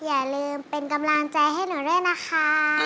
อย่าลืมเป็นกำลังใจให้หนูด้วยนะคะ